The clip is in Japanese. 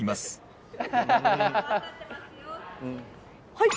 はい。